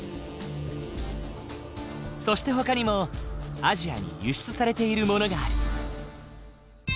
そしてほかにもアジアに輸出されているものがある。